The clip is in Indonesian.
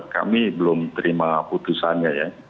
kami belum terima putusannya ya